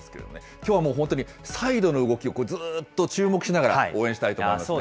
きょうはもう本当に、サイドの動きをずっと注目しながら応援したいと思いますね。